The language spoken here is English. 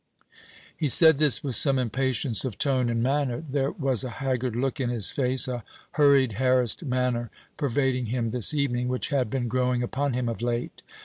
He said this with some impatience of tone and manner. There was a haggard look in his face, a hurried harassed manner pervading him this evening, which had been growing upon him of late.